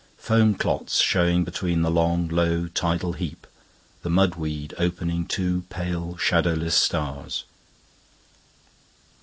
Foam clots showing betweenThe long, low tidal heap, The mud weed opening two pale, shadowless stars.